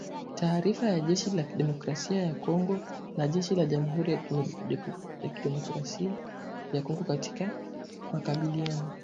Taarifa ya jeshi la Demokrasia ya Kongo na jeshi la jamuhuri ya kidemokrasia ya Kongo katika makabiliano